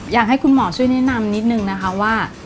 อยากให้คุณหมอช่วยแนะนำนิดนึงนะคะว่า